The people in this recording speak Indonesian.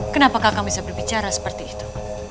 kenapa kakak bisa berbicara seperti itu